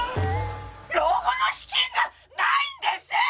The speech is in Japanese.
老後の資金がないんです！